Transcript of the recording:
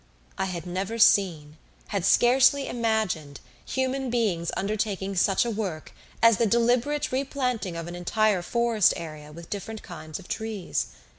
I had never seen, had scarcely imagined, human beings undertaking such a work as the deliberate replanting of an entire forest area with different kinds of trees.